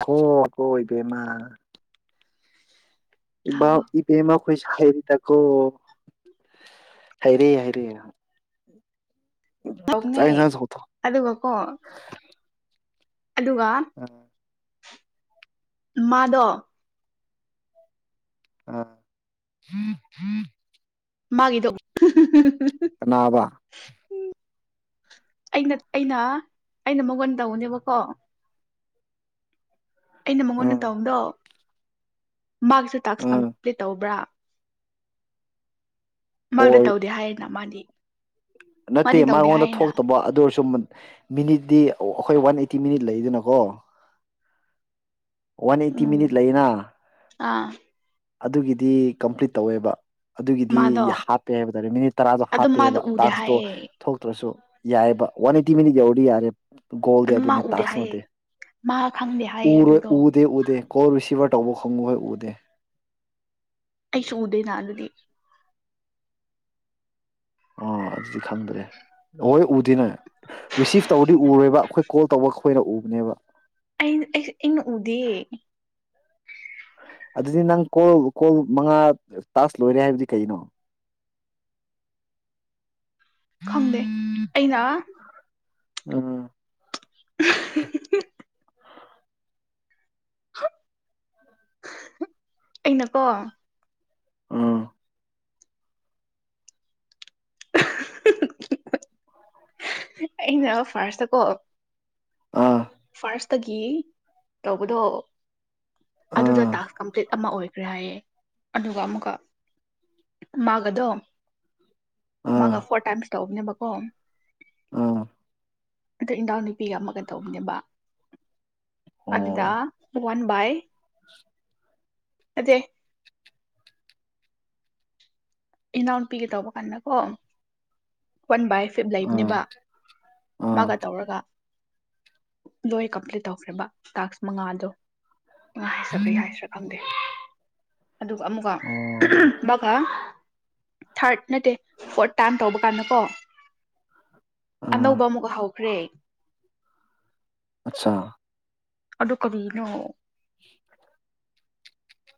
ꯍ ꯀꯣꯏꯕꯃ ꯇꯥꯕꯣ ꯏ ꯄꯃ ꯈꯣꯏ ꯈꯥꯏꯔꯤ ꯇ ꯑꯣꯣ ꯍꯥꯏꯩꯔ ꯍꯥꯏꯩꯔ ꯀꯅꯦ ꯊꯣꯡꯊꯣꯛ ꯑꯗꯨꯒꯀꯣ ꯑꯗꯨꯒ ꯑꯥ ꯃꯥꯗ ꯑ ꯃꯥꯒꯤꯗꯣ ꯅꯥꯕ ꯎꯝ ꯑꯩꯅ ꯑꯩꯅ ꯑꯩꯅ ꯃꯒꯣꯟ ꯇꯧꯕꯅꯦꯕꯀꯣ ꯑꯩꯅ ꯃꯉꯣꯟꯗ ꯑꯥ ꯇꯧꯗꯣ ꯃꯥꯁꯨ ꯇꯥꯛꯁ ꯑꯥ ꯀꯝꯄ꯭ꯂꯤꯠ ꯇꯧꯕ꯭ꯔꯥ ꯃꯥꯛꯇ ꯍꯣꯏ ꯇꯧꯗꯦ ꯍꯥꯏꯌꯦꯅ ꯃꯥꯗꯤ ꯅꯠꯇꯦ ꯃꯥꯗꯤ ꯇꯧꯗꯦ ꯃꯉꯣꯟꯗ ꯍꯥꯏꯌꯦꯅ ꯊꯣꯛꯇꯕ ꯑꯗꯨꯔꯁꯨ ꯃꯤꯅꯤꯠꯇꯤ ꯑꯩꯈꯣꯏ ꯋꯥꯟ ꯑꯩꯠꯇꯤ ꯃꯤꯅꯤꯠ ꯂꯩꯗꯅꯀꯣ ꯋꯥꯟ ꯑꯩꯠꯇꯤ ꯎꯝ ꯃꯤꯅꯤꯠ ꯂꯩꯌꯦꯅ ꯑꯥ ꯑꯗꯨꯒꯤꯗꯤ ꯀꯝꯄ꯭ꯂꯤꯠ ꯇꯧꯋꯦꯕ ꯑꯗꯨꯒꯤꯗꯤ ꯃꯥꯗꯣ ꯍꯥꯞꯄꯦ ꯍꯥꯏꯕ ꯇꯥꯔꯦ ꯃꯤꯅꯤꯠ ꯇꯔꯥꯗꯣ ꯑꯗꯨꯝ ꯃꯥꯗꯣ ꯍꯥꯞꯄꯦꯕ ꯎꯗꯦ ꯇꯥꯛꯁꯇꯣ ꯍꯥꯏꯌꯦ ꯊꯣꯛꯇ꯭ꯔꯁꯨ ꯌꯥꯏꯕ ꯑꯣꯅꯤꯇꯤ ꯃꯤꯗꯤ ꯦꯧꯤ ꯌꯥꯔꯦ ꯣꯜꯗꯤ ꯑꯗꯨꯝ ꯃꯥ ꯑꯗꯨꯅꯤ ꯎꯗꯦ ꯇꯥꯁ ꯍꯥꯏꯌꯦ ꯃꯥ ꯈꯪꯗꯦ ꯍꯥꯏꯌꯦ ꯑꯗꯨꯗꯣ ꯃꯔꯗꯦꯗꯦ ꯀꯣꯁꯤ ꯇꯧꯕ ꯈꯪꯕꯍꯣꯏ ꯎꯗꯦ ꯑꯩꯁꯨ ꯎꯗꯦ ꯅꯥꯟꯗꯗꯤ ꯑꯥ ꯑꯗꯨꯗꯤ ꯈꯪꯗ꯭ꯔꯦ ꯍꯍꯣꯏ ꯎꯗꯣꯏꯅꯦ ꯔꯤꯁꯤꯞ ꯇꯧꯔꯗꯤ ꯎꯔꯣꯏꯕ ꯑꯩꯈꯣꯏ ꯀꯣꯜ ꯇꯧꯕ ꯑꯩꯈꯣꯏꯅ ꯎꯕꯅꯦꯕ ꯑ ꯏꯩꯅ ꯎꯗ ꯑꯗꯨꯗꯤ ꯅꯪ ꯀꯣꯜ ꯀꯣꯜ ꯃꯉꯥ ꯇꯥꯁ ꯂꯣꯏꯔꯦ ꯍꯥꯏꯕꯗꯤ ꯀꯩꯅꯣ ꯈꯪꯗꯦ ꯑꯩꯅ ꯎꯝ [unintelligible] ꯑꯩꯅꯀꯣ ꯑꯥ [unintelligible] ꯑꯩꯅ ꯐꯥꯔꯁꯇꯀꯣ ꯑꯥ ꯐꯥꯔꯁꯇꯒꯤ ꯇꯧꯕꯗꯣ ꯑꯗꯨꯗ ꯇꯥꯛꯁ ꯀꯝꯄ꯭ꯂꯤꯠ ꯑꯃ ꯑꯣꯏꯈ꯭ꯔꯦ ꯍꯥꯏꯌꯦꯦ ꯑꯗꯨꯒ ꯑꯃꯨꯛꯀ ꯃꯥꯒꯗꯣ ꯑꯥ ꯑꯥ ꯃꯥꯒ ꯐꯣꯔ ꯇꯥꯏꯝꯁ ꯇꯧꯕꯅꯦꯕꯀꯣ ꯑꯥ ꯏꯗꯥꯅꯤ ꯄ ꯇꯧꯕꯅꯦꯕ ꯑꯣ ꯑꯗꯨꯗ ꯋꯥꯟ ꯕꯥꯏ [unintelligible] ꯑꯗꯦ ꯏꯅꯥꯎꯅꯄꯤꯒꯦ ꯇꯧꯕ ꯀꯥꯟꯗ ꯀꯣ ꯋꯥꯟ ꯕꯥꯏ ꯐꯤꯞ ꯑꯥ ꯂꯩꯕꯅꯦꯕ ꯑꯥ ꯃꯥꯒ ꯇꯧꯔꯒ ꯂꯣꯏ ꯀꯝꯄ꯭ꯂꯤꯠ ꯇꯧꯈ꯭ꯔꯦꯕ ꯇꯥꯛꯁ ꯃꯉꯥꯗꯣ ꯉ ꯍꯥꯏꯁꯄ ꯍꯥꯏꯁꯔ ꯈꯪꯗꯦ ꯑꯗꯨꯒ ꯑꯃꯨꯛꯀ ꯑꯣ ꯕꯒ ꯊꯥꯔꯠ ꯅꯠꯇꯦ ꯐꯣꯔꯠ ꯇꯥꯏꯝ ꯇꯧꯕ ꯀꯣ ꯑꯥ ꯑꯅꯧꯕ ꯑꯃꯨꯛ ꯍꯧꯥꯎꯈ꯭ꯔꯦ ꯇꯦ ꯑꯆꯥ ꯑꯗꯨ ꯀꯔꯤꯅꯣ [unintelligible]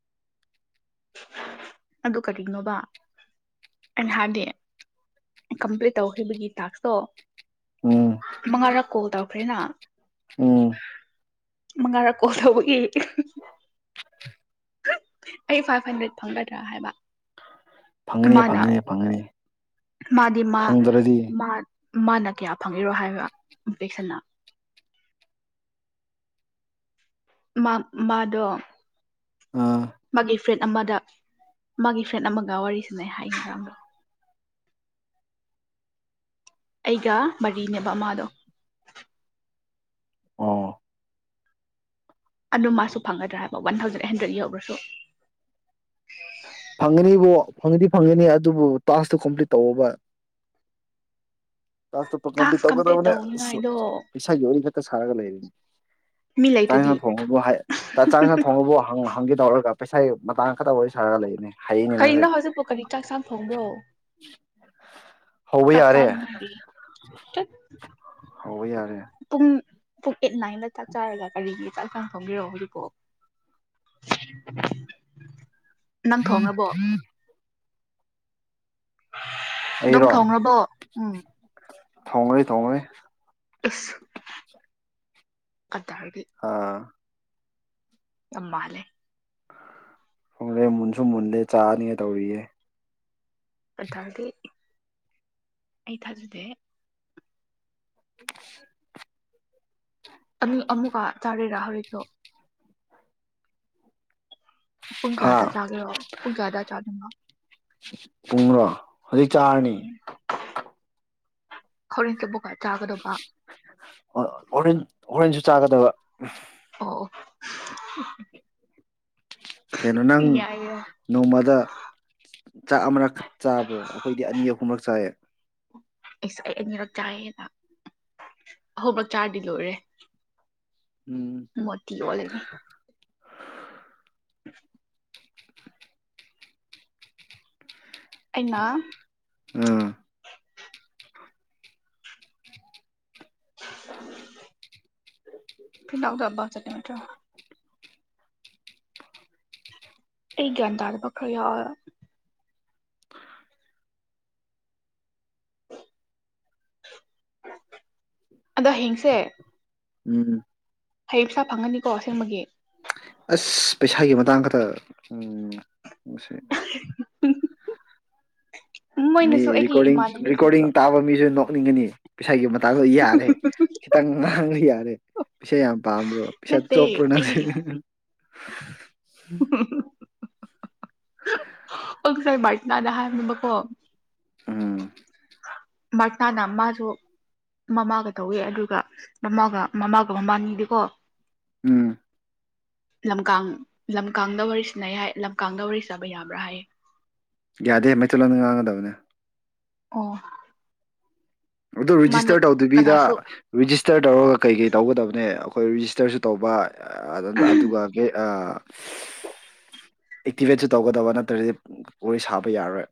ꯑꯗꯨ ꯀꯔꯤꯒꯤꯅꯣꯕ ꯑ ꯅꯍꯥꯟꯗꯤ ꯀꯝꯄ꯭ꯂꯤꯠ ꯇꯧꯈꯤꯕꯒꯤ ꯇꯥꯛꯁꯇꯣ ꯎꯝ ꯃꯉ ꯀꯣꯜ ꯇꯧꯈ꯭ꯔꯦꯅ ꯑ ꯃꯉꯥꯔꯛ ꯀꯣꯜ ꯇꯧꯕꯒꯤ ꯑꯩ ꯐꯥꯏꯚ ꯍꯟꯗ꯭ꯔꯦꯠ ꯐꯪꯒꯗ꯭ꯔꯥ ꯍꯥꯏꯕ ꯐꯪꯒꯅꯤ ꯃꯥꯅ ꯐꯪꯒꯅꯤ ꯐꯪꯒꯅꯤ ꯃꯥꯗꯤ ꯃꯥ ꯐꯪꯗ꯭ꯔꯗꯤ ꯃꯥꯅ ꯀꯌꯥ ꯐꯪꯉꯤꯔꯣ ꯍꯥꯏꯕ ꯏꯝꯄꯦꯛꯁꯟꯅ ꯃꯥ ꯃꯥꯗꯣ ꯑꯥ ꯃꯥꯒ ꯐ꯭ꯔꯦꯠ ꯑꯃꯗ ꯃꯥꯒꯤ ꯐ꯭ꯔꯦꯟꯠ ꯑꯃꯒ ꯋꯥꯔꯤꯁꯤꯅꯩ ꯍꯥꯏ ꯃꯇꯥꯡꯗꯣ ꯑꯩꯒ ꯃꯔꯤꯅꯦꯦꯕ ꯃꯥꯗꯣ ꯑꯣ ꯑꯗꯨ ꯃꯥꯁꯨ ꯐꯪꯒꯗ꯭ꯔꯥ ꯍꯥꯏꯕ ꯋꯥꯟ ꯊꯥꯎꯖꯟ ꯍꯟꯗ꯭ꯔꯦꯗ ꯌꯧꯔꯁꯨ ꯐꯪꯒꯅꯤꯕꯨ ꯐꯪꯗꯤ ꯐꯪꯒꯅꯤ ꯑꯗꯨꯕꯨ ꯇꯥꯛꯇꯨ ꯀꯝꯄ꯭ꯂꯤꯠ ꯇꯧꯕ ꯀꯝꯠ ꯇꯥꯛꯁ ꯀꯝꯄ꯭ꯂꯤꯠ ꯇꯧꯒꯗꯕꯅꯦ ꯑꯁ ꯇꯧꯅꯤꯡꯉꯥꯏꯗꯣ ꯏꯁꯥꯒꯤ ꯋꯥꯔꯤ ꯈꯛꯇ ꯁꯥꯔꯒ ꯂꯩꯔꯤꯅꯤ ꯃꯤ ꯆꯥꯡꯅ ꯂꯩꯇ꯭ꯔꯗꯤ ꯊꯣꯡꯉꯕ ꯆꯥꯡꯅ ꯊꯣꯡꯉꯕ ꯍꯒꯦ ꯇꯧꯔꯒ ꯄꯩꯁꯥꯒꯤ ꯃꯇꯥꯡ ꯈꯛꯇ ꯋꯥꯔꯤ ꯁꯥꯔꯒ ꯂꯩ ꯀꯔꯤꯅꯣ ꯍꯧꯖꯤꯛꯄꯥꯎ ꯀꯔꯤ ꯆꯥꯛ ꯆꯥꯡ ꯐꯣꯡꯕ꯭ꯔꯣ ꯍꯧꯕ ꯆꯥꯛ ꯌꯥꯔꯦ ꯆꯥꯕꯉꯔꯤ ꯍꯧꯕ ꯌꯥꯔꯦ ꯄꯨꯡ ꯑꯦꯠ ꯅꯥꯏꯟꯗ ꯆꯥꯛ ꯆꯔꯒ ꯀꯔꯤꯒꯤ ꯆꯥꯛꯀ ꯐꯣꯡꯕꯤꯔꯛꯑꯣ ꯍꯧꯖꯤꯛꯐꯥꯎ ꯍꯝ ꯎꯝ ꯑꯗꯨꯝ ꯊꯣꯡꯕꯣ ꯎꯝ ꯊꯣꯡꯉꯩ ꯊꯣꯡꯉꯅꯤ ꯑꯁ ꯀꯗꯥ ꯍꯥꯏꯔꯒ ꯑꯥ ꯑ ꯃꯥꯂꯦ ꯐꯣꯡꯂꯦ ꯃꯨꯟꯁꯨ ꯃꯨꯟꯂꯦ ꯆꯥꯅꯤꯉ ꯇꯧꯔꯤꯌꯦ ꯊꯥꯔꯗꯤ ꯑꯩ ꯊꯥꯖꯗꯦ [unintelligible] ꯑꯅꯤ ꯑꯃꯨꯛꯀ ꯆꯥꯔꯦꯔꯥ ꯍꯧꯖꯤꯛꯀꯣ ꯍꯥ [unintelligible] ꯄꯨꯡꯔꯣ ꯍꯧꯖꯤꯛ ꯆꯔꯅꯤ [unintelligible] ꯑꯣꯔꯦꯟꯖ ꯑꯣꯔꯦꯟꯖ ꯆꯥꯒꯗꯕ ꯑꯣ ꯀꯩꯅꯣ ꯅꯪ ꯌꯥꯏꯌꯦ ꯅꯣꯡꯃꯗ ꯆꯥꯛ ꯑꯃꯅꯛꯈꯛ ꯆꯥꯕ꯭ꯔꯣ ꯑꯩꯈꯣꯏꯗꯤ ꯑꯅꯤ ꯑꯍꯨꯝ ꯁꯥꯏ ꯑꯦꯁ ꯑꯩ ꯑꯅꯤꯔꯛ ꯆꯥꯏꯅ ꯑꯍꯨꯝꯂꯛ ꯆꯥꯔꯗꯤ ꯂꯣꯏꯔꯦ ꯎꯝ [unintelligible] [unintelligible] [unintelligible] ꯑꯩꯅꯥ ꯑꯥ ꯐꯅꯗꯕ ꯆꯠꯂꯃꯤꯇ꯭ꯔ ꯑꯩꯒꯟꯗꯥꯗꯕꯈ꯭ꯔ ꯌꯥꯑꯣꯏꯕ ꯑꯗ ꯍꯌꯦꯡꯁꯦ ꯎꯝ ꯍꯌꯦꯡꯁꯥ ꯐꯪꯒꯅꯤꯀꯣ ꯑꯁꯦꯡꯕꯒꯤ ꯑꯁ ꯄꯩꯁꯥꯒꯤ ꯃꯇꯥꯡ ꯈꯛꯇ ꯎꯝ [unintelligible] ꯃꯤ ꯃꯣꯏꯅꯁꯨ ꯑꯩꯒꯤ ꯔꯤꯀꯣꯗꯦꯗꯤꯟ ꯔꯦꯀꯣꯗꯤꯡ ꯏꯃꯥꯟꯅꯕꯤꯁꯤꯡꯁꯨ ꯇꯥꯕ ꯃꯤꯁꯨ ꯅꯣꯛ ꯅꯤꯡꯒꯅꯤ ꯄꯩꯁꯥꯒꯤ ꯃꯇꯥꯡꯗꯣ ꯌꯥꯔꯦ ꯈꯤꯇꯪ ꯉꯥꯡꯂ ꯌꯥꯔꯦ ꯄꯩꯁꯥ ꯌꯥꯝ ꯄꯥꯝꯕ꯭ꯔꯣ ꯄꯩꯁꯥ ꯅꯠꯇꯦ ꯆꯣꯞꯄ꯭ꯔꯣ ꯑꯩꯒꯤ ꯅꯠꯇ ꯑꯣꯁꯥꯏ ꯕꯥꯜꯇꯅꯥꯅ ꯍꯥꯏꯕꯅꯤꯡꯕꯀꯣ ꯎꯝ ꯃꯥꯔꯅꯥꯅ ꯃꯥꯁꯨ ꯃꯃꯥꯒ ꯇꯧꯋꯦ ꯑꯗꯨꯒ ꯃꯃꯥꯒ ꯃꯃꯥꯒ ꯃꯃꯥꯟꯅꯤꯗꯦꯀꯣ ꯎꯝ ꯂꯝꯀꯥꯡ ꯂꯝꯀꯥꯡꯗ ꯋꯥꯔꯤ ꯁꯤꯟꯅꯩ ꯍꯥꯏ ꯂꯝꯀꯥꯡꯗ ꯋꯥꯔꯤ ꯁꯥꯥꯕ ꯌꯥꯕ꯭ꯔꯥ ꯍꯥꯏꯌꯦ ꯌꯥꯗꯦ ꯃꯩꯆꯜꯂꯣꯟꯗ ꯉꯥꯡꯒꯗꯕꯅꯦ ꯑꫭ ꯑꯗꯨ ꯔꯤꯖꯤꯁꯇꯔ ꯇꯧꯗꯣꯏꯕꯤꯗ ꯀꯅꯥꯁꯨ ꯔꯤꯖꯤꯁꯇꯔ ꯇꯧꯔꯒ ꯀꯩ ꯀꯩ ꯇꯧꯒꯗꯕꯅꯦ ꯑꯩꯈꯣꯏ ꯔꯤꯖꯤꯁꯇꯔꯁꯨ ꯇꯧꯕ ꯑꯗꯨꯒ ꯍ ꯑꯦꯛꯇꯤꯚꯦꯠꯁꯨ ꯇꯧꯒꯗꯕ ꯅꯠꯇ꯭ꯔꯗꯤ ꯋꯥꯔꯤ ꯁꯥꯕ ꯌꯥꯔꯣꯏ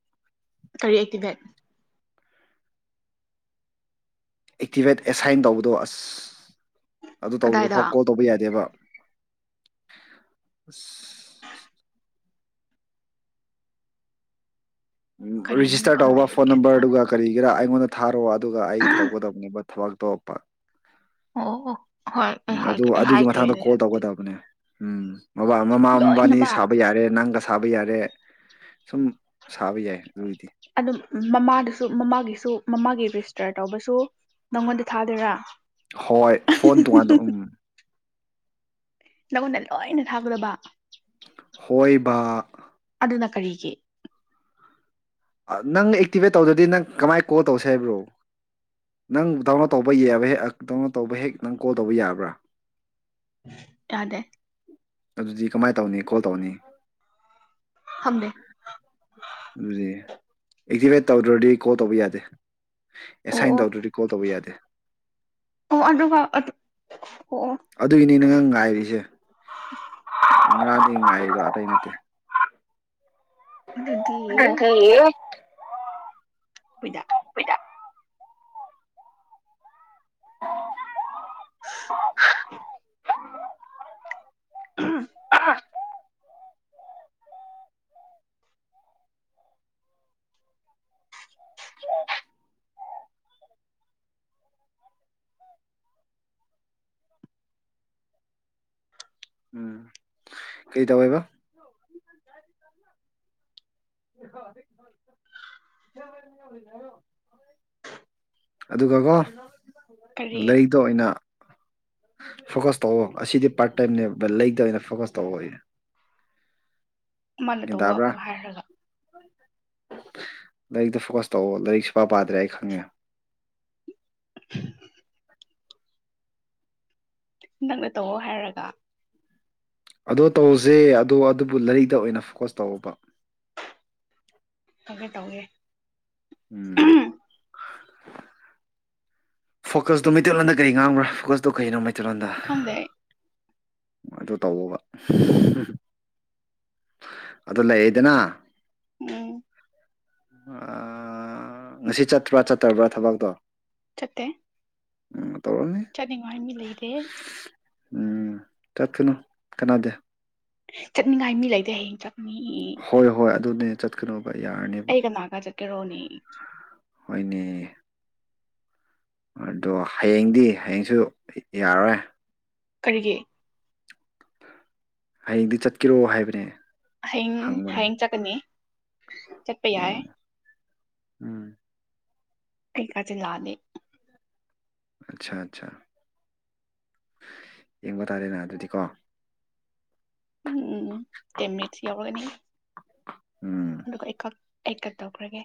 ꯀꯔꯤ ꯑꯦꯛꯇꯤꯚꯦꯠ ꯑꯦꯛꯇꯤꯚꯦꯠ ꯑꯦꯁꯥꯏꯟ ꯇꯧꯕꯗꯣ ꯑꯁ ꯑꯗꯨ ꯇꯧꯗ꯭ꯔꯣ ꯐꯥꯎ ꯀꯗꯥꯏꯗ ꯀꯣꯜ ꯇꯧꯕ ꯌꯥꯗꯦꯕ ꯑꯁ ꯎ ꯀꯔꯤꯅꯣ ꯔꯤꯖꯤꯁꯇꯔ ꯈꯪꯗꯦ ꯇꯧꯕ ꯐꯣꯟ ꯒ꯭ꯌꯥꯟ ꯅꯝꯕꯔꯗꯨ ꯇꯥꯗꯦ ꯀꯔꯤꯒꯔꯥ ꯃꯉꯣꯟꯗ ꯊꯥꯔꫭ ꯋꯥ ꯑꯗꯨꯒ ꯑꯩ ꯇꯧꯒꯗꯕꯅꯦ ꯕꯠ ꯊꯕꯛ ꯇꯧꯔꯛꯄ ꯑꯣ ꯍꯣꯏ ꯑꯩ ꯎꯝ ꯑꯗꯨ ꯍꯥꯏꯒꯦ ꯑꯩ ꯑꯗꯨꯒꯤ ꯃꯇꯊꯥꯡꯗ ꯍꯥꯏꯈ꯭ꯔꯦꯅꯦ ꯀꯣꯜ ꯍꯥꯏꯕꯗꯤ ꯇꯧꯒꯗꯕꯅꯦ ꯎꯝ ꯃꯕꯥ ꯃꯃꯥ ꯃꯕꯥꯅꯤ ꯂꯣꯏꯅꯃꯛ ꯁꯥꯕ ꯌꯥꯔꯦ ꯅꯪ ꯁꯥꯕ ꯌꯥꯔꯦ ꯁꯨꯝ ꯁꯥꯕ ꯌꯥꯏ ꯑꯗꯨꯒꯤꯗꯤ ꯑꯗꯨꯝ ꯃꯃꯥꯗꯁꯨ ꯃꯃꯥꯒꯤꯁꯨ ꯃꯃꯥꯒꯤ ꯔꯦꯖꯤꯁꯇꯔ ꯇꯧꯕꯁꯨ ꯅꯪꯉꯣꯟꯗ ꯊꯥꯗꯣꯏꯔꯥ ꯍꯣꯏ ꯐꯣꯟ ꯇꯣꯉꯥꯟꯗꫭ ꯎꯝ ꯅꯉꯣꯟꯗ ꯂꯣꯏꯅ ꯊꯥꯒꯗꯕ ꯍꯣꯏꯕ ꯑꯗꯨꯅ ꯀꯔꯤꯒꯤ ꯑ ꯅꯪ ꯑꯦꯛꯇꯤꯚꯦꯠ ꯇꯧꯗ꯭ꯔꯗꯤ ꯅꯪ ꯀꯃꯥꯏꯅ ꯀꯣꯜ ꯇꯧꯁꯦ ꯍꯥꯏꯕ꯭ꯔꯣ ꯅꯪ ꯗꯥꯎꯟꯂꯣꯠ ꯇꯧꯕ ꯌꯦꯕꯩ ꯍꯦꯛ ꯗꯥꯎꯟꯂꯣꯠ ꯇꯧꯕ ꯍꯦꯛ ꯅꯪ ꯀꯣꯜ ꯇꯧꯕ ꯌꯥꯕ꯭ꯔꯥ ꯇꯥꯗꯦ ꯑꯗꯨꯗꯤ ꯀꯃꯥꯏꯅ ꯇꯧꯅꯤ ꯀꯣꯜ ꯇꯧꯅꯤ ꯐꯝꯗꯦ ꯑꯗꯨꯗꯤ ꯑꯦꯛꯇꯤꯚꯦꯠ ꯇꯧꯗ꯭ꯔꯗꯤ ꯀꯣꯜ ꯇꯧꯕ ꯌꯥꯗꯦ ꯑꯣ ꯑꯦꯁꯥꯏꯟ ꯑꯣ ꯇꯧꯗ꯭ꯔꯗꯤ ꯀꯣꯜ ꯇꯧꯕ ꯌꯥꯗꯦ ꯑꯣ ꯑꯗꯨꯒ ꯑꯗꯨ ꯑꯗꯨꯏ ꯒꯤꯅꯤ ꯉꯪ ꯉꯥꯏꯔꯤꯁꯦ ꯉꯔꯥꯡꯗꯩ ꯉꯥꯏꯔꯤꯕ ꯑꯇꯩ ꯅꯠꯇꯦ ꯑꯗꯨꯗꯤ ꯑꯗꯨꯗꯤ ꯈꫭꯏꯗ [inaudible] [inaudible] [inaudible] [inaudible] ꯎꯝ ꯀꯩ ꯇꯧꯋꯦꯍꯥꯏꯕ ꯑꯗꯨꯒ ꯀꯣ ꯀꯔꯤ ꯂꯩꯗ ꯑꯣꯏꯅ ꯐꯣꯀꯁ ꯇꯧꯋ ꯑꯁꯤꯗꯤ ꯄꯥꯔꯠ ꯇꯥꯏꯝꯅꯦ ꯕ ꯂꯩꯇ ꯑꯣꯏꯅ ꯐꯣꯀꯁ ꯇꯧꯋ ꯃꯥꯅ ꯇꯧꯕ ꯑꯃꯨꯛ ꯍꯥꯏꯔꯒ ꯂꯥꯏꯔꯤꯛꯇ ꯐꯣꯀꯁ ꯇꯧꯑꯣ ꯂꯥꯏꯔꯤꯛꯁꯨ ꯄ ꯄꯥꯗ꯭ꯔꯦ ꯑꯩ ꯈꯪꯉꯦ ꯅꯪꯅ ꯇꯧꯑꯣ ꯍꯥꯏꯔꯒ ꯑꯗꯣ ꯇꯧꯁꯦ ꯑꯗꯣ ꯑꯗꯨꯕꯨ ꯂꯥꯏꯔꯤꯛꯇ ꯑꯣꯏꯅ ꯐꯣꯀꯁ ꯇꯧꯕ ꯇꯧꯒꯦ ꯇꯧꯒꯦ ꯎꯝ ꯐꯣꯀꯁꯇꯨ ꯃꯩꯇꯩꯂꯣꯟꯗ ꯀꯔꯤ ꯉꯥꯡꯈ꯭ꯔꯥ ꯐꯣꯀꯁꯇꯨ ꯀꯩꯅꯣ ꯃꯩ ꯇꯤꯂꯟꯗ ꯈꯪꯗꯦ ꯑꯗꯨ ꯇꯕ ꯑꯗꯨ ꯂꯩꯗꯅ ꯎꯝ ꯉꯁꯤ ꯆꯠꯇꯄ꯭ꯔꯥ ꯆꯠꯇꯕ꯭ꯔꯥ ꯊꯕꯛꯇꯣ ꯆꯠꯇ ꯎꯝ ꯇꯧꯔꯝꯅꯤ ꯆꯠꯅꯤꯡꯉꯥꯏ ꯃꯤ ꯂꯩꯗꯦ ꯎꯝ ꯆꯠ ꯀꯅꯣ ꯀꯅꯥꯗ ꯆꯠꯅꯤꯡꯉꯥꯏ ꯃꯤ ꯂꯩꯇꯦ ꯍꯌꯦꯡ ꯆ ꯍꯣꯏ ꯍꯣꯏ ꯑꯗꯨꯅꯦ ꯆꯠꯀꯅꯣ ꯑꯩ ꯀꯅꯥ ꯀ ꯆꯀꯔꯣꯅꯤ ꯍꯣꯏꯅꯦ ꯑꯗꯣ ꯍꯌꯦꯡꯗꯤ ꯍꯌꯦꯡꯁꯨ ꯌꯥꯔꯔꯣꯏ ꯀꯔꯤꯒꯤ ꯍꯌꯦꯡꯗꯤ ꯆꯠꯀꯔꯣ ꯍꯥꯏꯕꯅꯦ ꯍꯌꯦꯡ ꯍꯪꯕꯅꯦ ꯍꯌꯦꯡ ꯆꯠꯀꯅꯤ ꯆꯠꯄ ꯌꯥꯏ ꯑꯣ ꯎꯝ ꯀꯆꯦ ꯂꯥꯛꯑꯅꯤ ꯑꯠꯆꯥ ꯑꯠꯆꯥ ꯌꯦꯡꯕ ꯇꯥꯔꯦꯅ ꯑꯗꯨꯗꯤꯀꯣ ꯎꯝ ꯎꯝ ꯇꯦꯟ ꯃꯤꯅꯤꯠꯁ ꯌꯥꯎꯔꯒꯅꯤ ꯎꯝ ꯑꯗꯨꯒ ꯑꯩꯈꯛ ꯑꯩꯀꯠ ꯇꯧꯈ꯭ꯔꯒꯦ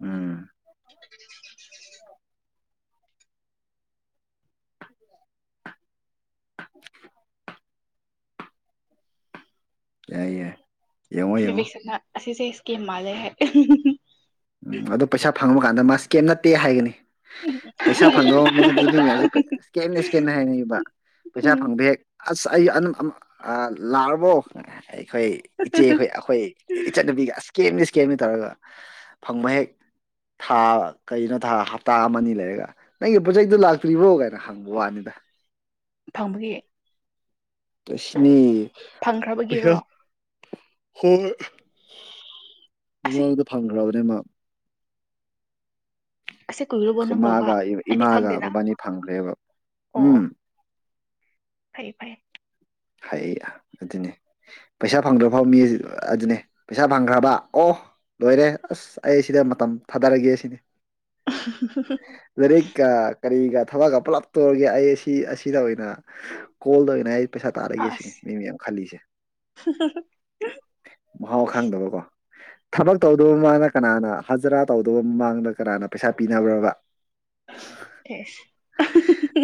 ꯎꯝ [inaudible] [inaudible] ꯌꯥꯏꯌꯦ [unintelligible] ꯑꯁꯤ ꯑꯁꯤꯁꯦ ꯏꯁꯀꯤꯝ ꯃꯥꯂꯦ ꯍꯥꯏ ꯎꯝ ꯑꯗꯣ ꯄꯩꯁꯥ ꯐꯪꯕ ꯀꯥꯟꯗ ꯃꯥ ꯁ꯭ꯀꯦꯝ ꯅꯠꯇꯦ ꯍꯥꯏꯒꯅꯤ ꯄꯩꯁꯥ ꯐꯪꯗꯣ ꯏꯁꯀꯦꯝꯅ ꯏꯁꯀꯦꯝꯅ ꯍꯥꯏꯅꯩꯕ ꯄꯩꯁꯥ ꯎꯝ ꯐꯪꯕ ꯍꯦꯛ ꯑꯠꯁ ꯑꯩ ꯑꯗꯨꯝ ꯂꯥꯛꯔꯕꯣ ꯑꯩꯈꯣꯏ ꯏꯆꯦꯈꯣꯏ ꯑꯩꯈꯣꯏ ꯏꯆꯠꯅꯨꯄꯤꯒ ꯑꯦꯝ ꯀꯦꯝꯃꯤ ꯇꯧꯔꯒ ꯐꯪꯕ ꯍꯦꯛ ꯊꯥ ꯀꯩꯅꯣ ꯊꯥ ꯍꯞꯇꯥ ꯑꯃꯅꯤ ꯂꯩꯔꯒ ꯅꯪꯒꯤ ꯄ꯭ꯔꯣꯖꯦꯛꯇꯣ ꯂꯥꯛꯇ꯭ꯔꯤꯕ꯭ꯔꯣ ꯀꯥꯏꯅ ꯍꯪꯕ ꯋꯥꯅꯤꯗ ꯐꯪꯕꯒꯤ ꯇꫭ ꯁꯤꯅꯤ ꯄꯩ ꯐꯪꯈ꯭ꯔꯕꯒꯤꯔꯣ ꯍꯣ ꯑꯁꯤ ꯃꯐꯪ꯭ꯔ [unintelligible] ꯑꯁꯤ ꯀꯨꯏꯔꯕꯣ ꯅꯪ ꯂꯧꯕ ꯃꯥꯒ ꯑꯩꯗꯤ ꯏꯃꯥꯒ ꯈꯪꯗꯦꯅ ꯕꯕꯥꯅꯤ ꯐꯪꯈ꯭ꯔꯦꯕ ꯑꯣ ꯑꯣ ꯎꯝ ꯐꯩ ꯐꯥꯏ ꯍꯥꯏ ꯑꯗꯨꯅꯦ ꯄꯩꯁꯥ ꯐꯪꯗ꯭ꯔ ꯐꯥꯎ ꯃꯤ ꯑꯗꯨꯅꯦ ꯄꯩꯁꯥ ꯐꯪꯈ꯭ꯔꯕ ꯑꯣ ꯂꯣꯏꯔꯦ ꯑꯁ ꯑꯩ ꯁꯤꯗ ꯃꯇꯝ ꯊꯥꯗꯔꯒꯦ ꯁꯤꯅꯤ [unintelligible] ꯀꯔꯤꯒ ꯊꯕꯛꯀ ꯄꯨꯂꯞ ꯇꯧꯔꯒꯦ ꯑꯩ ꯑꯁꯤ ꯑꯁꯤꯗ ꯑꯣꯏꯅ ꯀꯣꯜꯗ ꯑꯣꯏꯅ ꯄꯩꯁꯥ ꯇꯥꯔꯛꯏꯒꯦ ꯁꯤꯅꯤ ꯑꯁ ꯃꯤ ꯃꯌꯥꯝ ꯈꯜꯂꯤꯁꯦ ꯃꯍꯥꯎ ꯈꯪꯗꯕꯀꯣ ꯊꯕꯛ ꯇꯧꯗꯕ ꯃꯃꯥꯡꯗ ꯀꯅꯥꯅ ꯍꯖꯔꯥ ꯇꯧꯗꯕ ꯃꯃꯥꯡꯗ ꯀꯅꯥꯅ ꯄꯩꯁꯥ ꯄꯤꯅꯕ꯭ꯔꯕ ꯑꯦꯁ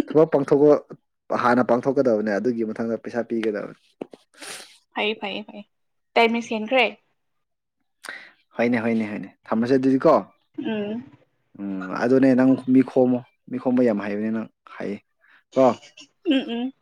ꯊꯕꯛ ꯄꯥꯡꯊꯣꯛꯄ ꯍꯥꯟꯅ ꯄꯥꯡꯊꯣꯛꯀꯗꯕꯅꯦ ꯑꯗꯨꯒꯤ ꯃꯊ ꯃꯊꯪꯗ ꯄꯩꯁꯥ ꯄꯤꯒꯗꯕꯅꯦ ꯐꯌꯦ ꯐꯌꯦ ꯐ ꯇꯥꯏꯃꯤꯡꯁ ꯌꯦꯟꯈ꯭ꯔꯦ ꯍꯣꯏꯅꯦ ꯍꯣꯏꯅꯦ ꯍꯣꯏꯅꯦ ꯊꯝꯃꯁꯦ ꯑꯗꯨꯗꯤ ꯀꯣ ꯎꯝ ꯎꯝ ꯑꯗꯨꯗꯅꯦ ꯅꯪ ꯃꯤꯈꯣꯃꯣ ꯃꯤꯈꯣꯕ ꯌꯥꯝ ꯍꯥꯏꯕꯅꯦ ꯅꯪ ꯍꯥꯏꯌꯦ ꯎꯝ ꯎꯝ